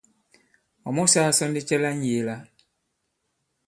Ɔ̀ mɔsāā sɔ ndi cɛ la ŋ̀yēē la?